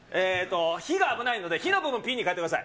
火が危ないので、火の部分、ピーに変えてください。